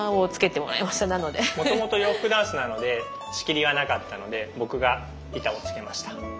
もともと洋服ダンスなので仕切りがなかったので僕が板を付けました。